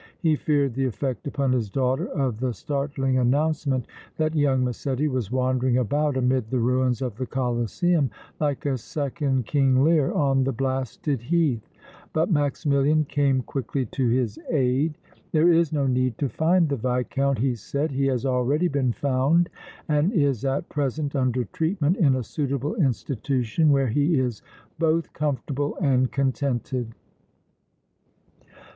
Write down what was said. He feared the effect upon his daughter of the startling announcement that young Massetti was wandering about amid the ruins of the Colosseum like a second King Lear on the blasted heath. But Maximilian came quickly to his aid. "There is no need to find the Viscount," he said. "He has already been found and is at present under treatment in a suitable institution, where he is both comfortable and contented."